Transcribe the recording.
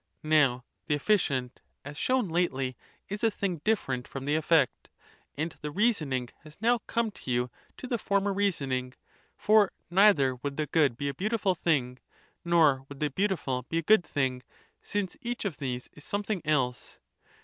Now the efficient, as shown lately, is a thing different from the effect; and the reasoning has now 3come to you to the former reasoning;* for neither would the good be a beautiful thing, nor would the beau tiful be a good thing ; since each of these 415 something else.